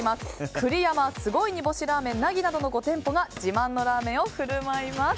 くり山すごい煮干しラーメン凪などの５店舗が自慢のラーメンを振る舞います。